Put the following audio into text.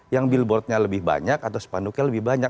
yang billboardnya lebih banyak atau spanduknya lebih banyak